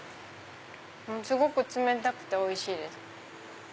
すごく冷たくておいしいです。